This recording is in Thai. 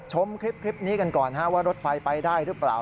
ชมคลิปนี้กันก่อนว่ารถไฟไปได้หรือเปล่า